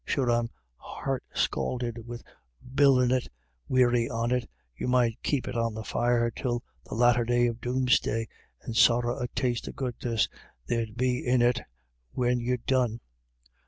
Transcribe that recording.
Sure, I'm heart scalded wid bilin' it — weary on it — you might keep it on the fire till the latter end of Doomsday, and sorra a taste o* goodness there'd been in it when ye'd done."